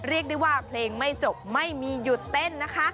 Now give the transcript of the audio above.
เรียกได้ว่าเพลงไม่จบไม่มีหยุดเต้นนะคะ